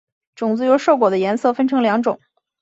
种子由瘦果的颜色分成两种。